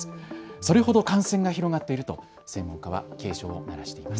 それほど感染が広がっていると専門家は警鐘を鳴らしています。